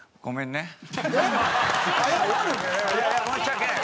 いやいや申し訳ない。